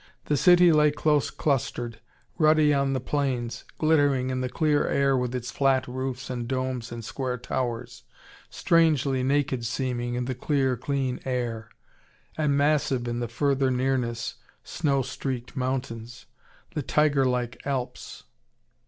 The city lay close clustered, ruddy on the plains, glittering in the clear air with its flat roofs and domes and square towers, strangely naked seeming in the clear, clean air. And massive in the further nearness, snow streaked mountains, the tiger like Alps.